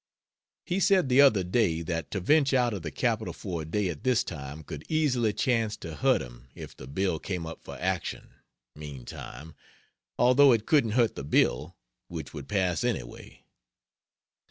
He said the other day that to venture out of the Capitol for a day at this time could easily chance to hurt him if the bill came up for action, meantime, although it couldn't hurt the bill, which would pass anyway.